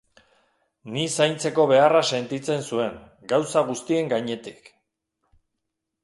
Ni zaintzeko beharra sentitzen zuen, gauza guztien gainetik.